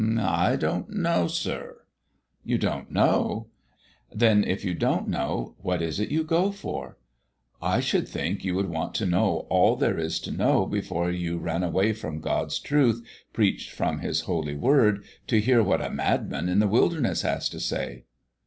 "I don't know, sir." "You don't know? Then, if you don't know, what is it you go for? I should think you would want to know all there is to know before you ran away from God's truth preached from His own holy word to hear what a madman in the wilderness has to say."